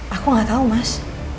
aku gak tau mas